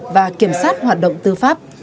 và kiểm sát hoạt động tư pháp